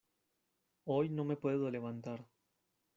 Hoy no me puedo levantar.